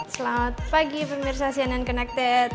selamat pagi pemirsa cnn connected